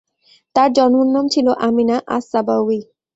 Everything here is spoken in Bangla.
তার জন্মনাম ছিল আমিনা আস-সাবাউই।